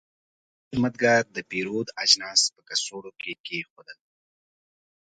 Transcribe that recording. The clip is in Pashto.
دا خدمتګر د پیرود اجناس په کڅوړو کې کېښودل.